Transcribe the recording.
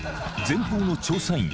前方の調査員